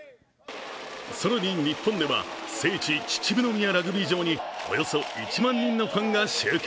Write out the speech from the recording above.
更に日本では聖地・秩父宮ラグビー場におよそ１万人のファンが集結。